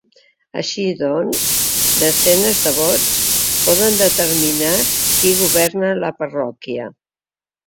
Així doncs, desenes de vots poden determinar qui governa la parròquia.